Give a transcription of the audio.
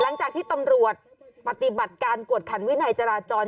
หลังจากที่ตำรวจปฏิบัติการกวดขันวินัยจราจร